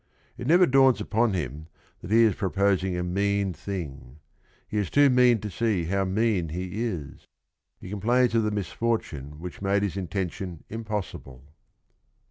It never dawns upon him that he is proposing a mean thing; he is too mean to see how mean he is. He complains of the misfortune which made his intention impossible.